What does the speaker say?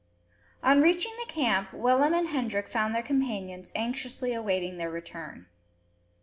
On reaching the camp, Willem and Hendrik found their companions anxiously awaiting their return.